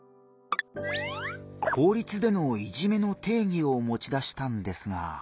法律でのいじめの定義をもち出したんですが。